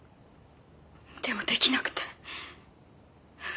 でもできなくて。